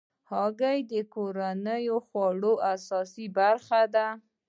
هګۍ د کورنیو خوړو اساسي برخه ده.